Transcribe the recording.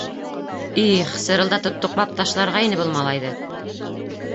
Их, сырылдатып туҡмап ташларға ине был малайҙы!..